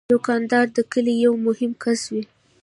دوکاندار د کلي یو مهم کس وي.